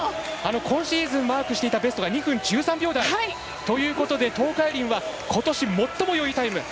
今シーズンマークしていたベストが２分１３秒台ということで東海林はことし、最もいいタイム。